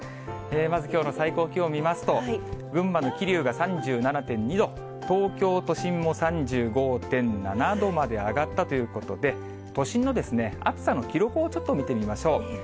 まず、きょうの最高気温を見ますと、群馬の桐生が３７．２度、東京都心も３５．７度まで上がったということで、都心の暑さの記録をちょっと見てみましょう。